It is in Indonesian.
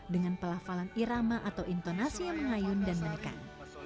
dengan pelafalan irama atau intonasi yang mengayun dan menekan